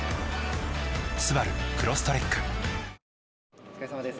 お疲れさまです。